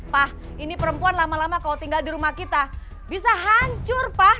pak ini perempuan lama lama kalau tinggal di rumah kita bisa hancur pak